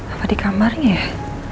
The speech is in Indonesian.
apa di kamarnya ya